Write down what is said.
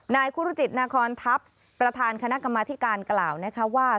นายครุจิตนาคอนทัพประธานคณะกรรมธิการกล่าวนะคะว่า